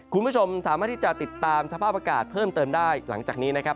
คุณผู้ชมสามารถที่จะติดตามสภาพอากาศเพิ่มเติมได้หลังจากนี้นะครับ